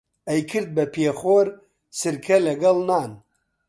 ئەیکرد بە پێخۆر سرکە لەگەڵ نان